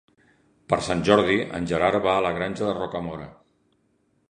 Per Sant Jordi en Gerard va a la Granja de Rocamora.